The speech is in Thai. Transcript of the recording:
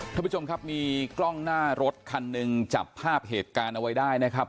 ท่านผู้ชมครับมีกล้องหน้ารถคันหนึ่งจับภาพเหตุการณ์เอาไว้ได้นะครับ